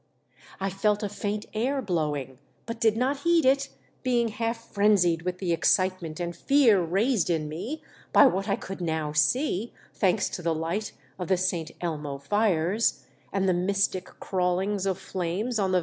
I felt a faint air blowing, but did not heed it, being half frenzied with the excite ment and fear raised in me by what I could now see — thanks to the lio ht of the St. Elmo fires, and the mystic crawlings of flames on So THE DEATH SHIP. the